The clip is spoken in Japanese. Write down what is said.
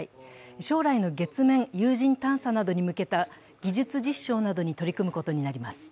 将来の月面有人探査などに向けた技術実証などに取り組むことになります。